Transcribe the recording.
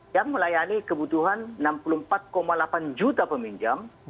yang melayani kebutuhan enam puluh empat delapan juta peminjam